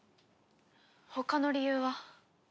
他の理由は？